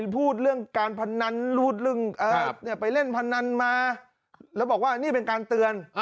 พูดเรื่องการพนันพูดเรื่องไปเล่นพนันมาแล้วบอกว่านี่เป็นการเตือน